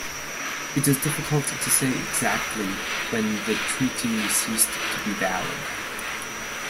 It is difficult to say exactly when the treaty ceased to be valid.